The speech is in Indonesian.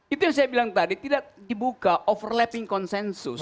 itu yang saya bilang tadi tidak dibuka overlapping konsensus